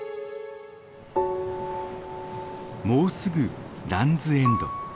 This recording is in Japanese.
もうすぐランズ・エンド。